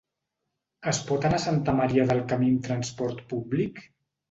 Es pot anar a Santa Maria del Camí amb transport públic?